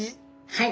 「はい」。